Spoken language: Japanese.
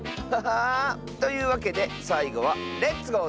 というわけでさいごは「レッツゴー！